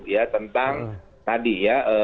ya tentang tadi ya